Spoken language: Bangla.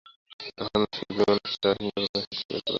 একজন শিল্পীমানুষ কখনো সুন্দর কোনো সৃষ্টি নষ্ট করতে পারেন না।